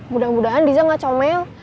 mudah mudahan diza nggak comel